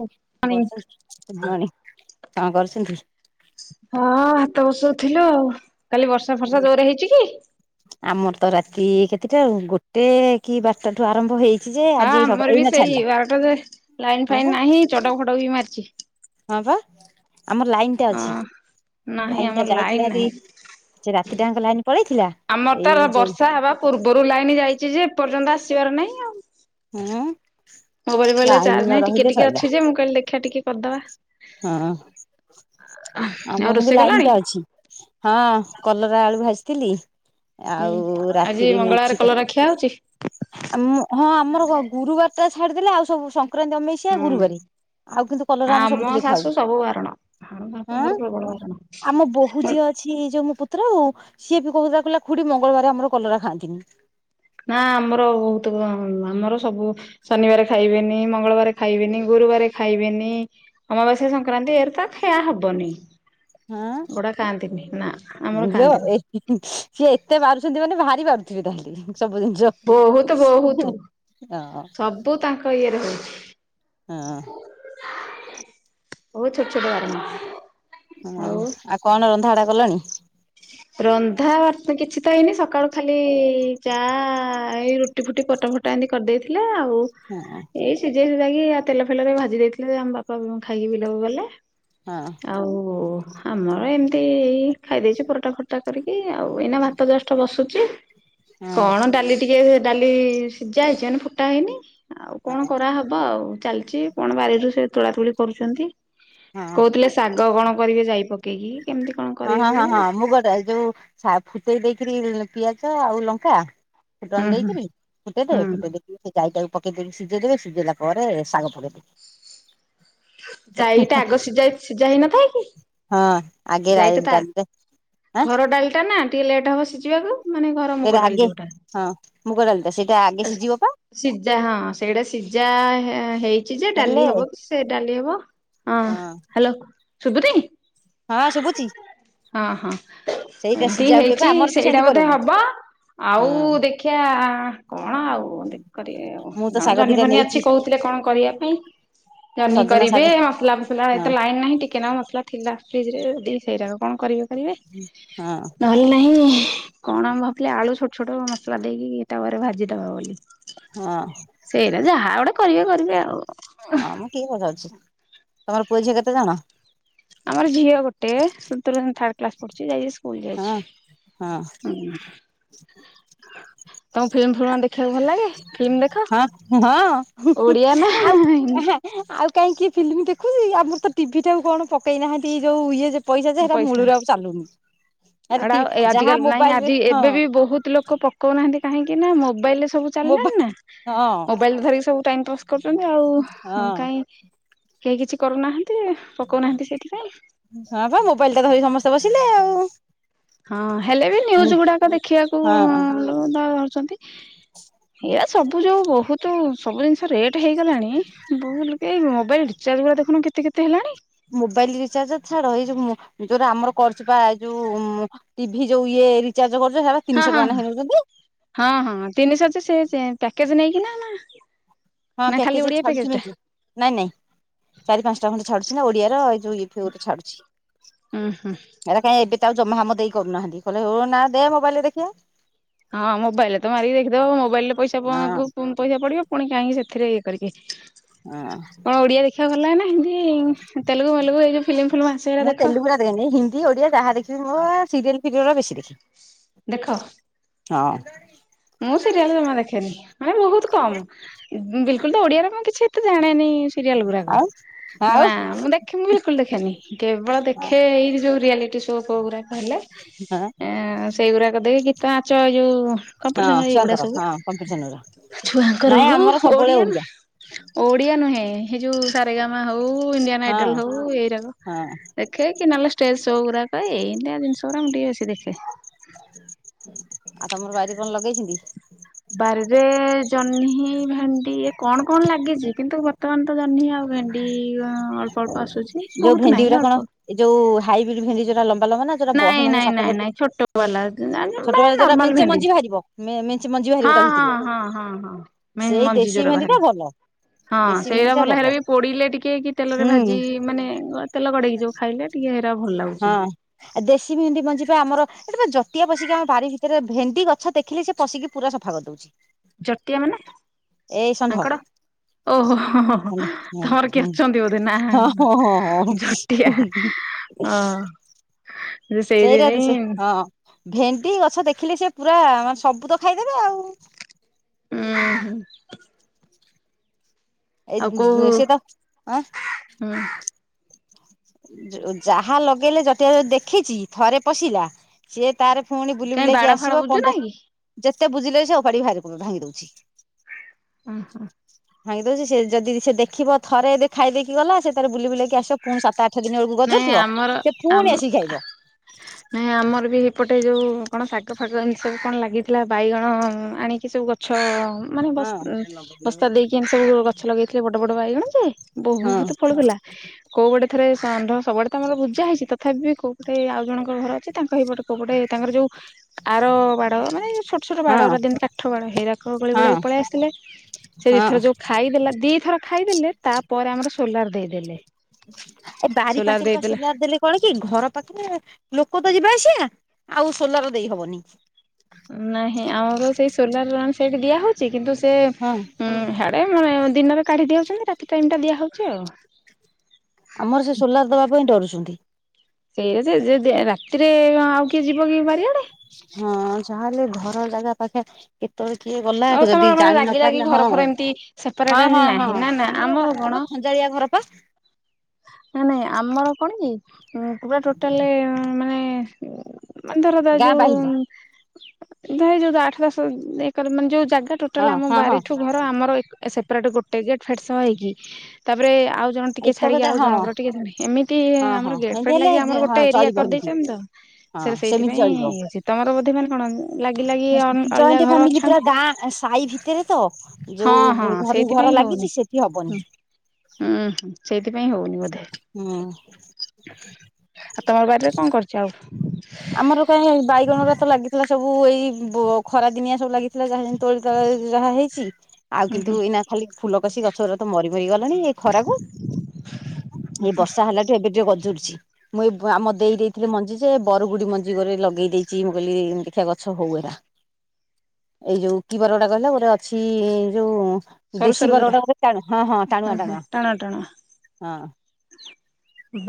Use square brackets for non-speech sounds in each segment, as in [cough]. ହଁ କଣ କରୁଛନ୍ତି ଗୁଡ଼ ମର୍ନିଙ୍ଗ କଣ କରୁଛନ୍ତି? ହଁ ଭାତ ବସଉଥିଲୁ ଆଉ କାଲି ବର୍ଷା ଫର୍ଷା ଜୋରେ ହେଇଛି କି? ଆମର ତ ରାତି କେତେଟା ଆଉ ଗୋଟେ କି ବାରଟାଠୁ ଆରମ୍ଭ ହେଇ ହଁ ଆମର ବି ସେଇ ବାରଟାରେ ଲାଇନ୍ ହଁ ବା ଫାଇନ୍ ନାହିଁ ଚଡକ ଫଡକ ବି ମାରିଛି। ହଁ ବା ଆମର ଲାଇନଟା ଅଛି ହଁ। ନାହିଁ ଲାଇନଟା ଆମର ଲାଇନ ଯାଇଥିଲା ହାରି। ନାହିଁ। ସେ ରାତିଟାଆଙ୍କ ଲାଇନ୍ ପଳେଇଥିଲା ଆମର ତ ଏଇ ଯୋଉ ବର୍ଷା ହେବା ପୂର୍ବରୁ ଲାଇନ ଯାଇଛି ଯେ ଏପର୍ଯ୍ୟନ୍ତ ଆସିବାର ନାହିଁ ଆଉ। ହଁ। ମୋବାଇଲ ଫୋବାଇଲ ରେ ଚାର୍ଜ ନାହିଁ ଟିକେ ଟିକେ ଅଛି ଯେ ମୁଁ କହିଲି ଦେଖିବା ଟିକେ କରିଦବା। ହଁ ଆଉ ଆମର କିନ୍ତୁ ରୋଷେଇ କଲଣି? ଲାଇନଟା ଅଛି। ହଁ କଲରା ଆଳୁ ଭାଜିଥିଲି। ହୁଁ ଆଉ ଆଜି ରାତିରେ ମଙ୍ଗଳବାର ମିକ୍ସ୍ ତ କଲରା ଖିଆ ହଉଛି? ଆମ ହଁ ଆମର ଗୁରୁବାରଟା ଛାଡ଼ିଦେଲେ ଆଉ ସବୁ ସଂକ୍ରାନ୍ତି ଅମେଇ ସିଆ ହୁଁ। ଗୁରୁବାର ଆଉ କିନ୍ତୁ କଲରା ଆମେ ସବୁଥିରେ ଖାଉ ତ ସବୁ ବାରଣ ହଁ ବାପଙ୍କର ପ୍ରବଳ ବାରଣ। ଆମ ବୋହୁ ଯିଏ ଅଛି ଯୋଉ ମୋ ପୁତୁରା ବୋହୁ ସିଏ ବି କହୁଥିଲା କହିଲା ଖୁଡ଼ି ମଙ୍ଗଳବାରେ ଆମର କଲରା ଖାଆନ୍ତିନି। ନାଁ ଆମର ବହୁତ ବା ଆମର ସବୁ ଶନିବାର ଖାଇବେନି ମଙ୍ଗଳବାର ଖାଇବେନି ଗୁରୁବାର ଖାଇବେନି। ଅମାବାସ୍ୟା ସଂକ୍ରାନ୍ତି ଏରା ତ ଖିଆ ହବନି। ହଁ ବୁଢ଼ା ଖାଆନ୍ତିନି ନା ଆମର ଝିଅ ଏ ଖାଆନ୍ତିନି। ସିଏ ଏତେ ବାରୁଛନ୍ତି ମାନେ ଭାରି ବାରୁଥିବେ ତାହେଲେ ସବୁ ବହୁତ ବହୁତ ଜିନିଷ। ହଁ। ସବୁ ତାଙ୍କ ଇଏରେ ହଉଛି। ହଁ। ବହୁତ ଛୋଟ ଛୋଟ ବାରଣ ଆଉ କଣ ରନ୍ଧାବଢ଼ା କଲଣି? ରନ୍ଧା ବାର୍ତ କିଛି ତ ହେଇନି ସକାଳୁ ଖାଲି ଚା ଏଇ ରୁ ଟି ଫୁଟି ପରଟା ଫରଟା ଏମିତି କରିଦେଇଥିଲା ଆଉ ହଁ ହଁ ଏଇ ସିଝେଇ ସୁଝାକି ଆଉ ତେଲ ଫେଲରେ ଭାଜି ଦେଇଥିଲେ ଆମ ବାପା ଖାଇକି ବିଲକୁ ଗଲେ।। ହଁ। ଆଉ ଆମର ଏମିତି ଖାଇ ଦେଇଚୁ ପରଟା ଫରଟା କରିକି ଆଉ ଏଇନା ଭାତ ଜଷ୍ଟ ବସୁଛି ହଁ କଣ ଡାଲି ଟିକେ ଡ଼ାଲି ସିଝା ହେଇଛି ମାନେ ଫୁଟା ହେଇନି। ଆଉ କଣ ହଁ କରାହବ ଆଉ ଚାଲିଛି କଣ ବାରିରୁ ସେ ତୋଳା ତୁଳି କରୁଚନ୍ତି। ହଁ। ଶାଗ କଣ କରିବେ ଯାଇ ପକେଇକି କେମିତି କଣ ହଁ କରିବେ ହଁ, ବୋଲି ହଁ ହୁଁ ମୁଗ ଡ଼ାଲ ଯଉ ଫୁଟେଇ ଦେଇକରି ପିଆଜ ଆଉ ଲଙ୍କା ଫୁଟଣ ହୁଁ ଦେଇକିରି ଫୁଟେଇ ଦେବେ ହୁଁ ଫୁଟେଇ ଦେଇ ସେ ଯାଇତାହିକି ପକେଇ ଦେଇ ସିଝେଇଦେବେ ସିଝେଇଲା ପରେ ଶାଗ ପକେଇଦେବେ। ଯାଇଟା ଆଗ ସିଝା ସିଝା ହେଇନଥାଏ କି? ହଁ ଆଗେ ଯାଇଟା ତା ଡାଲିରେ ଆଁ ଘର ଡ଼ାଲିଟା ନା ଟିକେ ଲେଟ୍ ହବ ସିଝିବାକୁ। ମାନେ ଘର ସେଇଟା ମୁଗ ଡ଼ାଲି ଆଗେ ଯୋଉଟା। ହଁ ମୁଗ ଡ଼ାଲିଟା ସେଇଟା ଆଗେ ସିଝିବ ପା। ସିଝା ହଁ ସେଇଟା ସିଝା ହେଇଛି ଯେ ହେଲେ ଡ଼ାଲି ହବ କି ସେ ଡ଼ାଲି ହବ। ହଁ ହ୍ୟାଲୋ ଶୁଭୁତିି ହଁ ଶୁବୁଛି ହଁ, ହଁ ଏନ୍ତି ସିଝା ହୁଏ ପା ହେଇଛି ଆମର ବି ସେଇଟା ସେମିତି ବୋଧେ କରୁ ହବ। ଆଉ ହଁ ଦେଖିଆ କଣ ଆଉ କରି ମୁଁ ତ କଣ ଶାଗ ଜହ୍ନି, ଦିଟା ପହ୍ନି ଅଛି ନେଇଛି କହୁ କଣ କରିବା ପାଇଁ ଜହ୍ନି ସଜନା କରିବେ ଶାଗ ମସଲା ଫସଲା ହଁ ଏତ ଲାଇନ ନାହିଁ ଟିକେ ମସଲା ଥିଲା ଫ୍ରିଜରେ ଦ ସେଇରାଗ କଣ କରିବେ କରିବେ ହଁ ନହେଲେ ନାହିଁ କଣ ଭାବୁଥିଲି ଆଳୁ ଛୋଟ ଛୋଟ ମସଲା ଦେଇକି ତାୱାରେ ଭାଜିଦବା ବୋଲି। ହଁ। ସେଇରା ଯାହା ଗୋଟେ କରିବେ କରିବେ ଆଉ। ହଁମ କିଏ ପଚାରୁଚି ତମର ପୁଅ ଝିଅ କେତେ ଜଣ? ଆମର ଝିଅ ଗୋଟେ ତୃତୀୟ ଶ୍ରେଣୀ ଥାର୍ଡ଼ କ୍ଲାସ ପଢ଼ୁଛି ଯାଇଛି ସ୍କୁଲ ଯାଇଛି ହଁ ହଁ ହୁଁ। ତମକୁ ଫିଲ୍ମ ଫ୍ଲୁମା ଦେଖିବାକୁ ଭଲ ଲାଗେ ଫିଲ୍ମ ଦେଖ? ହଁ ହଁ ଓଡ଼ିଆ ନା ଆଉ ହାଁ ଆଉ କାହିଁକି ଫିଲ୍ମ ଦେଖୁଛି ଆମର ତ ଟିଭିଟାକୁ କଣ ପକେଇନାହାନ୍ତି ଏଇ ଯୋଉ ଇଏ ଯେ ପଇସା ଯେ ହେରା ମୂଳରୁ ଆଉ ଚାଲୁନି। ଆଡ଼ା ଆରେ ଆ ଯାହା ଆଜିକାଲି ନାଇଁ ମୋବାଇଲ ରେ ଆଜି ହଁ ଏବେ ବି ବହୁତ ଲୋକ ପକାଉନାହାନ୍ତି କାହିଁକି ନା ମୋବାଇଲରେ ସବୁ ଚାଲିଲାଣିନା ମୋବାଇଲ ହଁ ମୋବାଇଲ ଧରିକି ସବୁ ଟାଇମ୍ ପାସ୍ କରୁଛନ୍ତି ଆଉ ହଁ କାଇଁ କେହି କିଛି କରୁନାହାନ୍ତି ପକାଉନାହାଁନ୍ତି ସେଇଥିପାଇଁ। ହଁ ବା ମୋବାଇଲଟା ଧରି ସମସ୍ତେ ବସିଲେ ଆଉ ହଁ ହେଲେ ବି ମୁଁ ନ୍ୟୁଜଗୁଡ଼ାକ ଦେଖିବାକୁ ହଁ ରୁ ତାଙ୍କର ଧରୁଛନ୍ତି ଇଆ ସବୁ ଯୋଉ ବହୁତ ସବୁ ଜିନିଷ ରେଟ୍ ହେଇଗଲାଣି ଭୁଲ କି ମୋବାଇଲ୍ ରିଚାର୍ଜ ଗଡ଼ା ଦେଖୁନୁ କେତେ କେତେ ହେଲାଣି। ମୋବାଇଲ ରିଚାର୍ଜ ଛାଡ଼ ଏ ଯଉ ଯୋଉ ରା ଆମର କରୁଛୁ ପା ଯୋଉ ମଁ ଟିଭି ଯଉ ଇଏ ରିଚାର୍ଜ କରୁଛ ହେରା ହଁ- ହଁ- ହଁ- ହଁ- ହଁ ତିନିଶହ ସେ ପ୍ୟାକେଜ ନେଇକିନା। ହଁ ନା ପ୍ୟାକେଜ ଖାଲି ଓଡ଼ିଆ ଛାଡୁଛି ପ୍ୟାକେଜଟା। ମେଞ୍ଚେ ନାଇଁ- ନାଇଁ ଚାରି ପାଞ୍ଚଟା ଖଣ୍ଡେ ଛାଡୁଛି ନା ଓଡ଼ିଆର ଏଇ ଯୋଉ ଇଏ କିଏ ଗୋଟେ ଛାଡୁଛି। ହୁଁ ହୁଁ ଏଇଟା କାହିଁ ଏବେ ତ ଆଉ ଜମା ହମ ଦେଇ କରୁନାହାଁନ୍ତି କହିଲେ ହୋ ନା ଦେ ମୋବାଇଲରେ ଦେଖିବା। ହଁ ମୋବାଇଲରେ ତ ମାରିକି ଦେଖଦବ ମୋବାଇଲରେ ପଇସା ହଁ ପଙ୍କୁ ପୁ ପଇସା ପଡିବ ପୁଣି କାହିଁକି ସେଥିରେ ଇଏ କରିକି ହଁ। କଣ ଓଡିଆ ଦେଖିବାକୁ ଭଲଲାଗେ ନା? ହିନ୍ଦି ତେଲୁଗୁ ମେଲୁଗୁ ଏଇ ଯୋଉ ଫିଲ୍ମ ଫିଲ୍ମ ଆସେ ହେରା ମୁଁ ଦେଖ? ତେଲୁଗୁରା ହିନ୍ଦୀ ଓଡ଼ିଆ ଯାହା ଦେଖିବି ମୁଁ ସିରିଏଲ ଫିରିଏଲ ବେଶି ଦେଖେ। ଦେଖ? ହଁ। ମୁଁ ସିରିଏଲ ଜମା ଦେଖେନି ମାନେ ବହୁତ କମ ବିଲକୁଲ ତ ଓଡିଆର ମୁଁ କିଛି କିଛି ତ ଜାଣେନି ସିରିଏଲ ଗୁରାକ ଆଉ ନା ଆଉ ମୁଁ ଦେଖେ ମୁଁ ବିଲକୁଲ ଦେଖେନି କେବଳ ଦେଖେ ଏଇ ଯୋଉ ରିଆଲିଟି ସୋ ଫୋ ଗୁଡ଼ାକ ହେଲେ ହାଁ ଏଁ ସେଇଗୁରାକ ଦେଇକି ଗୀତ ନାଚ ଏଇ ଯୋ ହଁ କମ୍ପିଟେସନ ଏଇଗୁଡା ଛୁଆଙ୍କର ସବୁ ହଁ କମ୍ପିଟିସନ ଗୁରା। ଛୁଆଙ୍କର ନାଇଁ ହଉ ଆମର ସବୁବେଳେ ଓଡିଆ ନୁହଁ। ଓଡିଆ ନୁହେଁ ହେ ଯୋ ସାରେଗାମା ହଉ ଇଣ୍ଡିଆନ ହଁ ଆଇଡଲ ହଉ ଏଇରାକ ହଁ ଦେଖେ କି ନହେଲେ ଷ୍ଟେଜ୍ ସୋ ଗୁରାକ ଏଇନ୍ତିଆ ଜିନିଷ ଗୁରା ମୁଁ ଟିକେ ବେଶୀ ଦେଖେ। ଆଉ ତମର ବାଇରେ କଣ ଲଗେଇଛନ୍ତି? ବାରିରେ ଜହ୍ନି ଭେଣ୍ଡି ଏ କଣ କଣ ଲାଗିଚି କିନ୍ତୁ ବର୍ତ୍ତମାନ ତ ଜହ୍ନି ଆଉ ଭେଣ୍ଡି ଅଳ୍ପ ଅଳ୍ପ ଆସୁଚି ଯୋଉ ବହୁତ ଭେଣ୍ଡି ନାହିଁ ଗୁରା ସେ କଣ ଅଳ୍ପ। ଏ ଯୋଉ ହାଇବ୍ରିଡ୍ ଭେଣ୍ଡି ଯୋଉଟା ଲମ୍ବା ଲମ୍ବା ନା ଯୋଉଟା ବହେ ନାଇଁ ନାଖେ ନାଇଁ ସାତ ନାଇଁ ପଟ ନାଇଁ ଛୋଟ ବାଲା [unintelligible] ଛୋଟବେଳେ ଯୋଉଟା ନର୍ମାଲ ମେଞ୍ଚେ ଭେଣ୍ଡି। ମଞ୍ଜି ବାହାରିବ ମେ ମେଞ୍ଚେ ମଞ୍ଜି ବାହାରିବ ହଁ ତା ଭିତରୁ ହଁ ହଁ ହଁ ହଁ ମ ସେଇ ମଂଜି ଦେଶୀ ଜୋଉରା ଭେଣ୍ଡି ଟା ବାହାରେ। ଭଲ ହଁ ଦେଶୀ ଭେଣ୍ଡି ସେଇରା ଟା ଭଲ ହେରା ବି ପୋଡିଲେ ଟିକେ କି ତେଲରେ ହୁଁ ଭାଜି ମାନେ ତେଲ ଗଡେଇକି ଯୋଉ ଖାଇଲେ ଟିକେ ହେରା ଭଲ ଲାଗୁଚି। ହଁ। ଆ ଦେଶୀ ଭେଣ୍ଡି ମଞି ଆମର ଏଠି ଜଟିଆ ପଶିକି ଆମ ବାରି ଭିତରେ ଭେଣ୍ଡି ଗଛ ଦେଖିଲେ ସେ ପଶିକି ପୁରା ସଫା କରି ଦଉଚି। ଚଟିଆ ମାନେ ହଁ ମାଙ୍କଡ ଓହୋ ହ ହ। ହଁ ତମର କିଏ ଅଛନ୍ତି ବୋଧେ ନା ହଁ ହଁ ଜଟିଆ ହଁ। ଯେ ସେଇଟା ସେଇଥିପାଇଁ ସେ ହଁ ଭେଣ୍ଡି ଗଛ ଦେଖିଲେ ସେ ପୁରା ମାନେ ସବୁ ତ ଖାଇଦେବେ ଆଉ। ଉଁ ହୁଁ। ଆଉ କୋଉ ହୁଁ। ଏ ସେ ତ ଆଁ ଯାହା ଲଗେଇଲେ ଜଟିଆ ଯଦି ଦେଖିଚି ଥରେ ପଶିଲା ସିଏ ତାର ପୁଣି ବୁଲି କାଇଁ ବୁଲେଇକି ବାଡ ଫାଡ ଆସିବ ବୁଝୁ ପନ୍ଦ ନାଇଁ କି ଯେତେ ବୁଜିଲେବି ସେ ଓପାଡିକି ଭା ଭାଙ୍ଗି ଦଉଚି। ଅଁ ହାଁ। ଭାଙ୍ଗି ଦଉଚି ସେ ଯଦି ସେ ଦେଖିବ ଥରେ ଯଦି ଖାଇଦେଇକି ଗଲା ସେ ତାର ବୁଲି ବୁଲେଇକି ଆସିବ ପୁଣି ସାତ ଆଠ୍ ଆଠ ଦିନ ବେଳକୁ ଗଜରୁ ନାଇଁ ଥିବ ଆମର ସେ ପୁଣି ଆମ ଆସିକି ଖାଇବ। ନାଇଁ ଆମର ବି ଏପଟେ ଯୋଉ କଣ ଶାଗ ଫାଗ ଏମିତି ସବୁ କଣ ଲାଗିଥିଲା ବାଇଗଣ ଆଣିକି ସବୁ ଗ ଛ ମାନେ ହଁ ବସ୍ତ୍ର୍ ହଁ ବସ୍ତା ଦେଇକି ଏମିତି ସବୁ ଗଛ ଲଗେଇଥିଲେ ବଡ ବଡ ବାଇଗଣ ଯେ ହଁ ବହୁତ ଫଳୁଥିଲା କୋଉ ପଟେ ଥରେ ଷଣ୍ଢ ସବୁଆଡେ ତ ଆମର ବୁଜା ହେଇଚି ତଥାପି କୋଉପଟେ ଆଉଜଣଙ୍କ ଘର ଅଛି ତାଙ୍କ ହେଳଇପଟେ କଉ ପଟେ ତାଙ୍କର ଯୋଉ ଆର ବାଡ଼ ମାନେ ଛୋଟ ଛୋଟ ବାଡଗୁରା ଦିନ କାଠ ବାଡ ହେରାକ ହଁ ଗଳିଗୁଳା କି ପଳେଇ ଆସିଥିଲେ। ସେ ହଁ ଦିଥର ଯୋଉ ଖାଇଦେଲା ଦିଥର ଖାଇଦେଲେ ତାପରେ ଆମର ସୋଲାର୍ ଦେଇଦେଲେ। ଏ ବାରି ପାଖେ ସୋଲାର ପାଖରେ ବା ଦେଇଦେଲା ସୋଲାର୍ ଦେଲେ କଣ କି ଘର ପାଖରେ ଲୋକ ତ ଯିବା ଆସିବା ଆଉ ସୋଲାର୍ ଦେଇ ହବନି। ନାହିଁ ଆମର ସେଇ ସୋଲାର ରନ୍ ସେଠି ଦିଆ ହଉଚି କିନ୍ତୁ ସେ ହଁ ହା ଏ ଦିନରେ କାଢି଼ ଦିଅନ୍ତିନି ରାତି ଟାଇମ୍ ଟା ଦିଆହଉଚି ଆଉ। ଆମର ସେ ସୋଲାର୍ ଦେବା ପାଇଁ ଡରୁଛନ୍ତି। ସେଇ ସେ ଯେ ରାତିରେ ଆଉ କିଏ ଯିବ କି ବାରିଆଡ଼େ? ହଁ ଯାହାହେଲେ ଘର ଜାଗା ପାଖେ। କେତେବେଳେ କିଏ ଗଲା ଆଉ ଯଦି ତମର ମାନେ ଜାଣିିନ ଲାଗି ଲାଗି ପାରିଲା? ଘର ହଁ ଫର ଏମିତି ସେପାରେଟ ହଁ ଏମିତି ହଁ ନାହିଁ ହଁ। ନା ନା ଆମର ପାଖ କଣ ଚାଳିଆ ଘର ପା। ନା ନାଇଁ ଆମର କଣ କି ପୁରା ଟୋଟାଲେ ମାନେ ଧର ଦ ଗାଁ ଯୋଉ ବାହିଲି ଧ ଯୋଉ ଆଠ ଦଶ ଏକର ମାନେ ଯୋଉ ଜାଗା ହଁ ଟୋଟାଲ୍ ଆମ ହଁ ହଁ ବାରିଠୁ ଘର ଆମର ସେପାରେଟ୍ ଗୋଟେ ଗେଟ୍ ଶେଷ ହେଇକି। ତାପରେ ଆଉ ଜଣେ ଟିକେ ଏଇତକ ଛାଡି଼କି ଯା ଆଉ ହଁ ଜଣଙ୍କର ଟିକେ କି ଏମିତି ହଁ ହଁ ଆମର ଗେଟ୍ ଏମିତି ଫେଟ୍ ଲାଗି ହେଲେ ଆମର ହଁ ଗୋଟେ ଏରିଆ ଚଳିବ ଏମିତି କରିଦେଇଚନ୍ତି ତ। ହଁ ସେ ସେମିତି ଚଳିବ। ସେଇଥିପାଇଁ ତମର ବୋଧେ ମାନେ କଣ ଲାଗି ଲାଗି ଅଲଗା ଘର ଅଛନ୍ତି। ଏଥିରେ ତ ହଁ ଯୋଉ ହଁ ଘରୁକୁ ଘର ସେଇଥିପାଇଁ ହଉନି ଲାଗିଛି ସେଠି ହବନି। ହୁଁ ହୁଁ ସେଇଥିପାଇଁ ହଉନି ବୋଧେ। ହୁଁ ଆଉ ତମର ବାରିରେ କଣ କରିଚ ଆଉ? ଆମର କାଇଁ ବାଇଗଣ ଗୁରା ତ ଲାଗିଥିଲା ସବୁ ଏଇ ବ ଖରା ଦିନିଆ ସବୁ ଲାଗିଥିଲା ଯାହା। ତୋଳି ତାଳା ଯାହା ହେଇଛି। ଆଉ ହୁଁ କିନ୍ତୁ ହୁଁ ଏଇନା ଖାଲି ଫୁଲକଷି ଗଛ ଗୁରା ତ ମରିମରି ଗଲାଣି ଏଇ ଖରାକୁ। ଏଇ ବର୍ଷା ହେଲାଠୁ ଏବେ ଟିକେ ଗଜୁରୁଛି। ମୁଁ ଏଇ ଆମ ଦେଇ ଦେଇଥିଲେ ମଞ୍ଜି ଯେ ବରଗୁଡି଼ ମଞ୍ଜିକରେ ଲଗେଇ ଦେଇଛି ମୁଁ କହିଲି ଦେଖିବା ଗଛ ହଉ ଏଗୁରା। [unintelligible] ଏଇ ଯୋଉ କିି ବରଡ଼ା କହିଲ ଗୋଟେ ଅଛି ଯୋଉ। ସରୁ ଦେଶୀ ସରୁ ଯୋଉରା ବରଡ଼ା ଗୋଟେ ଟାଣୁ ହଁ ହଁ ଟାଣୁଆ ଟାଣୁଆ। ହଁ।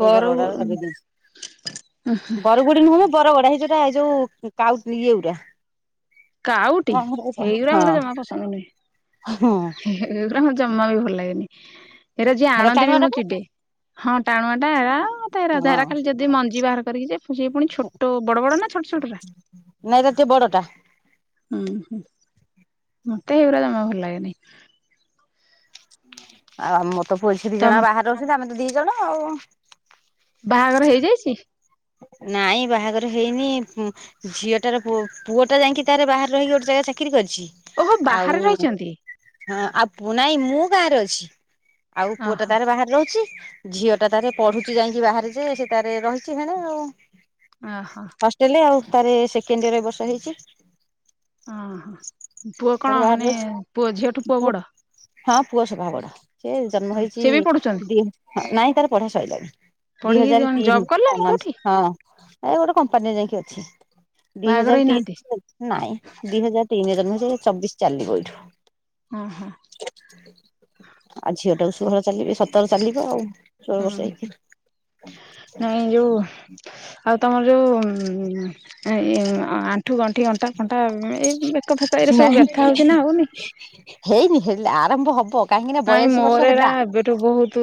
ସେଇ ବରଉ ବରଗଡ଼ା ଲଗେଇ ଦେଇଛି। ବରୁଗୁଡ଼ି ନୁହଁ ମୋ। ବରଗଡ଼ା ହେଇ ଯୋଉଟା ଏ ଯୋଉ କାଉ ଇଏ ଗୁରା। କାଉ ଟି କଣ ହେଇଗୁରା ହେରା ମତେ ଜମା ପସନ୍ଦ ନୁହେଁ। ହଁ। ଏଗୁରା ମତେ ଜମା ବି ଭଲ ଲାଗେନି ସେଇଟା ଯିଏ ହେରା ଆଣନ୍ତି ବି ଟାଣୁଆ ଟା ମୁଁ ପା ଚିଡେ। ହଁ ଟାଣୁଆ ଟା ଏରା ତେରା ତେରା ହଁ ଖାଲି ଯଦି ମଞ୍ଜି ବାହାର କରିକି ଯେ ସିଏ ପୁଣି ଛୋଟ ବଡ଼ ବଡ଼ ନା ଛୋଟ ଛୋଟ ଟା? ନାଇଁ ଏରା ଟିକେ ବଡଟା ହୁଁ ହୁଁ। ମତେ ହେଇଗୁରା ଜମା ଭଲ ଲାଗେନି। ଆଉ ମୋର ତ ପୁଅ ଝିଅ ଦି ଜଣ ତମ୍ ବାହାରେ ରହୁଛନ୍ତି ଆମେ ତ ଦି ଜଣ ଆଉ। ବାହାଘର ହେଇଯାଇଛି? ନାଇଁ ବାହାଘର ହେଇନି। ଝିଅଟାର ପୁଅ, ପୁଅ ଟା ଯାଇକି ତାର ବାହାରେ ରହିକି ଗୋଟେ ଜାଗାରେ ଚାକିରି କରିଛି। ଓହୋ ବାହାରେ ଆଉ ରହିଛନ୍ତି। ହଁ ଆଉ ପୁ ନାଇ ମୁଁ ଗାଁରେ ଅଛି। ଆଉ ପୁଅ ଟା ଓହୋ ତାର ବାହାରେ ରହୁଛି। ଝିଅଟା ତାରେ ପଢୁ଼ଛି ଯାଇକି ବାହାରେ ଯେ ସେ ତାରେ ରହିଛି। ସିଆଡ଼େ ଆଉ। ଓହୋ। ଲେ ଆଉ ତାରେ ସେକେଣ୍ଡ ଇୟର ଏ ବର୍ଷ ହେଇଛି। ହଁ ପୁଅ ତାର କଣ ବାହାରେ ମାନେ ରହିଛି ପୁଅ ଝିଅଠୁ ପୁଅ ବଡ଼? ହଁ ପୁଅ ସଭା ବଡ଼। ସେ ଜନ୍ମ ହେଇଛି ସିଏ ବି ପଢୁଛନ୍ତି। ଦି ନାଇଁ ତାର ପଢ଼ା ସଇଲାଣି ଦି ପଢିକି ହଜାରେ ଜବ୍ ତିନି। କଲେଣି କୋଉଠି ହଁ। ଏ ଗୋଟେ କମ୍ପାନୀରେ ଯାଇକି ଅଛି। ଦି ବାହାଘର ହଜାର ହେଇନାହାନ୍ତି ତିନି ନାଇଁ। ଦି ହଜାର ତିନି ରେ ଜନ୍ମ ହେଇଛି, ଚବିଶ ଚାଲିବ ଏଇଠୁ। ହଁ ହଁ। ଆଉ ଝିଅ ଟାକୁ ଷୋହଳ ଚାଲିକି ସତର ଚାଲିବ ଆଉ। [inaudible] ହଁ। ଏ ଯୋଉ ଆଉ ତମର ଯୋଉ ଏ ଆଣ୍ଠୁ ଗଣ୍ଠି ଅଣ୍ଟା ଅଣ୍ଟା ଏଇ ବେକ ଫେକ ଏରେ ସବୁ ନାହିଁ ବ୍ୟଥା ହଉଛି ନା ହଉନି? ହେଇନି ହେଲେ ଆରମ୍ଭ ହବ କାହିଁକି ନା ବୟାଅଶୀ ବର୍ଷ ହେଲା। ବହୁତୁ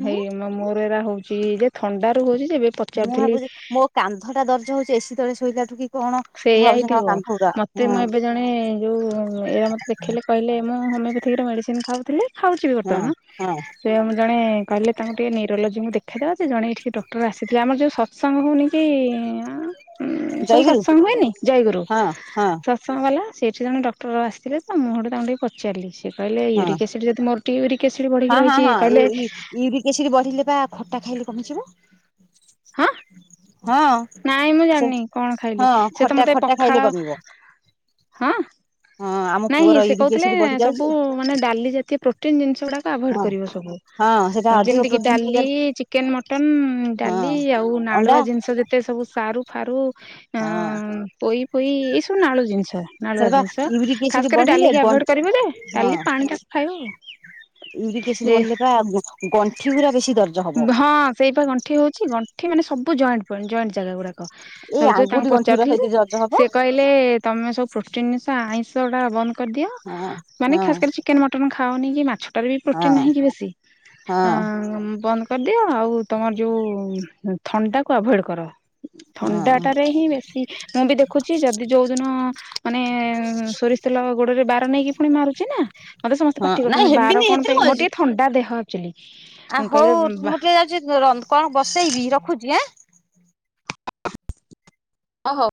ହୁଁ ହେଇ ମୋର ଏରା ହଉଛି ଯେ ଥଣ୍ଡା ରୁ ହଉଚି ଯେବେ ପ ମୁଁ ଭାବୁଚି ମୋ କାନ୍ଧ ଟା ଦର୍ଜ ହଉଚି ଏସି ତଳେ ଶୋଇଲାଠୁ କି କଣ ମୁଁ ସେଇଆ ଭାବୁଛି ହଁ ହେଇଥିବ କାନ୍ଧଗୁରା ମତେ ହଁ ମୁଁ ଏବେ ଜଣେ ଯୋଉ ଏଇଆ ମତେ ଦେଖେଇଲେ କହିଲେ ମୁଁ ହୋମିଓପାତିକ୍ ର ମେଡ଼ିସିନ୍ ଖାଉଥିଲି ଖାଉଛି ବି ହଁ ବର୍ତ୍ତମାନ ହଁ ସେ ଆମର ଜଣେ କହିଲେ ତାଙ୍କୁ ଟିକେ ନିରୋଲୋଜିଙ୍କୁ ଦେଖେଇଦବା ସେ ଜଣେ ଏଠିକି ଡକ୍ଟର ଆସିଥିଲେ ଆମର ଯୋଉ ସ ସମ୍ଭୁନିକି ସବୁ ଜୟଗୁରୁ ସତ୍ ସଙ୍ଗ ହୁଏନି ଜୟଗୁରୁ। ହଁ ହଁ ସତ୍ ସଙ୍ଗ ବାଲା ସେଇଠି ଜଣେ ଡକ୍ଟର ଆସିଥିଲେ ତ ମୁଁ ସେଉଠୁ ତାଙ୍କୁି ଟିକେ ପଚାରିଲି ସେ କହିଲେ ହଁ ୟୁରିକ୍ ଏସିଡ୍ ଯଦି ମୋର ୟୁରିକ୍ ଏସିଡି ବଢିକି ରହିଛି କହିଲେ ଏସିଡି ବଢିଲେ ବା ଖଟା ଖାଇଲେ କମିଯିବ। ହଁ ନାଇଁ ମୁଁ ସେ ଜାଣିନି କଣ ହଁ ଖାଇଲେ ସେ ତ ଖଟା ମତେ ଖଟା ଖାଇଲେ ପଖାଳ କମିବ ହଁ ହଁ ଆମ ନାଇଁ ପୁଅର ସେ ୟୁରିକ କହୁଥିଲେ ଏସିଡ ବଢି ଯାଉଛି ସବୁ ମାନେ ଡାଲି ଜାତୀୟ ପ୍ରୋ ଟିନ୍ ଜିନିଷ ଗୁଡାକ ଆଭୟଡ୍ ହଁ କରିବ ସବୁ। ହଁ ସେଟା ଅଧିକ ଯେମିତି କିି ପ୍ରୋଟିନ ଡାଲି ହେଇଗଲେ ଚିକେନ୍ ମଟନ୍ ହଁ ଡାଲି ଆଉ ଅଣ୍ଡା ନାଳୁଆ ଜିନିଷ ଯେ ତେ ସବୁ ସାରୁ ଫାରୁ ହଁ ଆଁ ପୋଇ ଫୋଇ ଏଇ ସବୁ ନାଳୁ ଜିନିଷ ସେଟା ନାଳୁଆ ବା ଜିନିଷ ୟୁରିକ ଏସିଡ ଖାସ୍ କରି ବଢିଲେ ଡାଲିକି ଆଭଏଡ୍ ଗଣ୍ଠି କରିବ ଯେ ଡାଲି ପାଣି ଟାକୁ ଖାଇବ ଆଉ। ୟୁରିକ୍ ଏସିଡ୍ ବଢିଲେ ବା ଗଣ୍ଠି ଗୁରା ବେଶୀ ଦର ହଁ ସେଇପା ଗଣ୍ଠି ହଉଚି ଗଣ୍ଠି ମାନେ ସବୁ ଜଏଣ୍ଟ୍ ଜଏଣ୍ଟ୍ ଜାଗା ଗୁଡାକ ଏଇ ଯୋଉ ତାଙ୍କୁ ଆଙ୍ଗୁଠି ଗଣ୍ଠି ଗୁରା ପଚାରୁଥିଲି ଯେ ସେଇଥିରେ ଦର୍ଜ ହବ ସେ କହି ଲେ ତମେ ସବୁ ପ୍ରୋଟିନ୍ ଜିନିଷ ଆଇଁଷ ଟା ବନ୍ଦ କରିଦିଅ ହଁ ମାନେ ହଁ ଖାସ୍ କରି ଚି ଚିକେନ୍ ମଟନ୍ ଖାଅନି କି ମାଛଟାରେ ବି ହଁ ପ୍ରୋଟିନ୍ ନାହିଁକି ବେଶୀ। ହଁ ବନ୍ଦ କରିଦିଅ ଆଉ ତମର ଯୋଉ ଥଣ୍ଡାକୁ ଆଭଏଡ୍ କର। ହଁ ଥଣ୍ଡାଟାରେ ହିଁ ବେଶୀ ମୁଁ ବି ଦେଖୁଛି ଯଦି ଯୋଉଦିନ ମାନେ ସୋରିଷ୍ ତେଲ ଗୋଡରେ ବାର ନେଇକି ପୁଣି ମାରୁଛି ନା ମତେ ସମସ୍ତେ ହଁ ପାଟି ନାଇଁ କରୁଚନ୍ତି ବାର ହେବିନି କଣ ସେଥିରେ ପାଇଁ ମୋର ଅଛି। ଟିକେ ଥଣ୍ଡା ଦେହ ଆକ୍ ଚୁଆଲି। ଆ ହଉ ମୁଁ ଟିକେ ଯାଉଚି ର କଣ ବସେଇବି ରଖୁଚି ଆଁ। ଓହୋ।